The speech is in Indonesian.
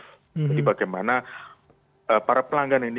bagaimana para pelanggan ini